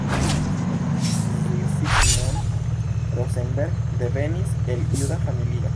Zsigmond Rosenberg devenis el juda familio.